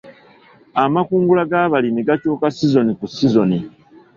Amakungula g'abalimi gakyuka sizoni ku sizoni.